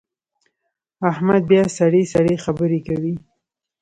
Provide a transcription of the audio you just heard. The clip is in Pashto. احمد بیا سړې سړې خبرې کوي.